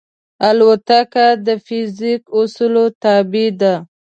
الوتکه د فزیک اصولو تابع ده.